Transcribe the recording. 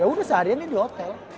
udah seharian nih di hotel